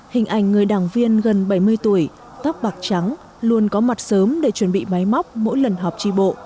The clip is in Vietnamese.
hình ảnh người đảng viên gần bảy mươi tuổi tóc bạc trắng luôn có mặt sớm để chuẩn bị máy móc mỗi lần họp tri bộ